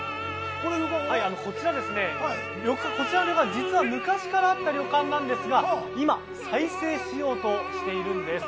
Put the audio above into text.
こちらの、実は昔からあった旅館なんですが今、再生しようとしているんです。